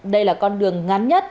đây là con đường ngắn nhất